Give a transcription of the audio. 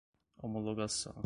homologação